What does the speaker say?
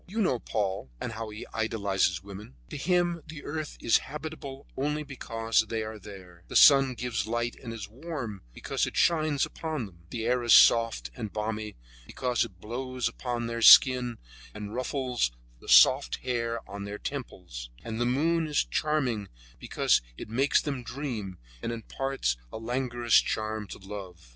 You know Paul, and how he idealizes women. To him the earth is habitable only because they are there; the sun gives light and is warm because it shines upon them; the air is soft and balmy because it blows upon their skin and ruffles the soft hair on their temples; and the moon is charming because it makes them dream and imparts a languorous charm to love.